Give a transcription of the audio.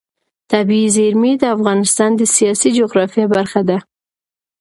طبیعي زیرمې د افغانستان د سیاسي جغرافیه برخه ده.